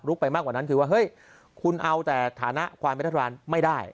ไปมากกว่านั้นคือว่าเฮ้ยคุณเอาแต่ฐานะความเป็นรัฐบาลไม่ได้